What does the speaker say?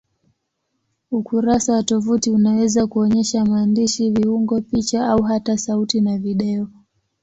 Ukurasa wa tovuti unaweza kuonyesha maandishi, viungo, picha au hata sauti na video.